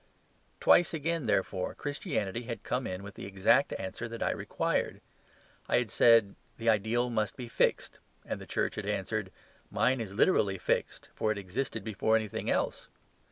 Twice again, therefore, Christianity had come in with the exact answer that I required. I had said, "The ideal must be fixed," and the Church had answered, "Mine is literally fixed, for it existed before anything else."